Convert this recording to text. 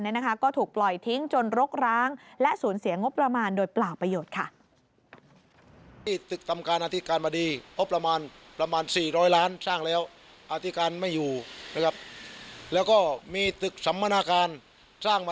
ไม่รู้ด้วยอีกอะไรไม่รู้ด้วยอีกอะไร